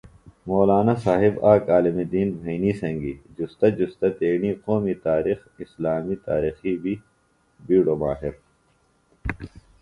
مولانا صاحب آک عالم دین بھئنی سنگیۡ جُستہ جُستہ تیݨی قومی تاریخ ، اسلامی تاریخی بی بیڈوۡ ماہر